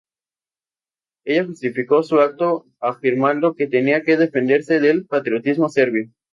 Ella justificó su acto afirmando que tenía que "defenderse del patriotismo serbio".